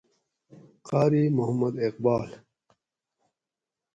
قاری محمد اقبال